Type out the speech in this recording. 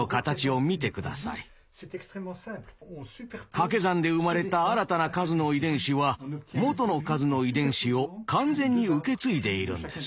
かけ算で生まれた新たな数の遺伝子は元の数の遺伝子を完全に受け継いでいるんです。